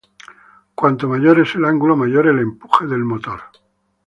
Cuanto mayor es el ángulo, mayor el empuje del motor.